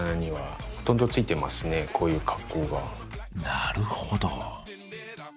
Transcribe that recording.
なるほど。